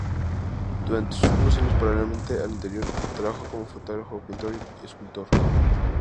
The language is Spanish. Durante unos años, paralelamente a lo anterior, trabajó como fotógrafo, pintor y escultor.